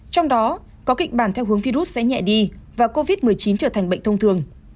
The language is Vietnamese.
trong đó có kịch bản theo hướng virus sẽ nhẹ đi và covid một mươi chín trở thành bệnh thông thường